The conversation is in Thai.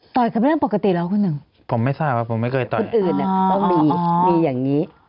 ต่อยขับไว้กันปกติหรอคุณหนึ่ง